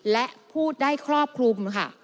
และพูดได้ครอบคลุมค่ะ